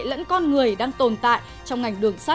lẫn con người đang xảy ra